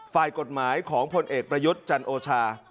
ฝ่ายกฎหมายของพลเอกประยุทธ์จันโอชา